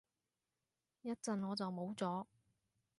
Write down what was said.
一陣我就冇咗